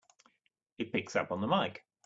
It picks up on the mike!